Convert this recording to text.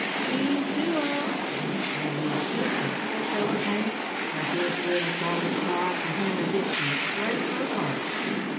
"'Deed do I; an' we took the poor feller home, where his little daughter cried for him as if she'd break her heart.